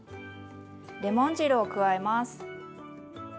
レモン汁を加えます。